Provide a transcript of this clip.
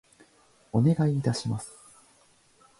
お願い致します。